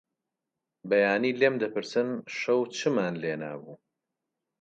بەیانی لێم دەپرسن شەو چمان لێنابوو؟